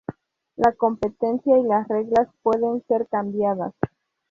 La competencia y las reglas pueden ser cambiadas.